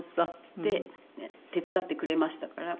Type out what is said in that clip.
って手伝ってくれましたから。